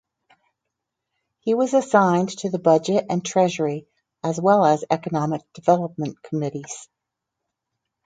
He was assigned to the budget and treasury as well as economic development committees.